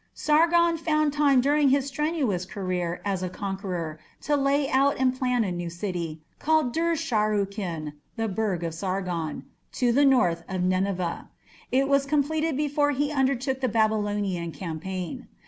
Sargon found time during his strenuous career as a conqueror to lay out and build a new city, called Dur Sharrukin, "the burgh of Sargon", to the north of Nineveh. It was completed before he undertook the Babylonian campaign.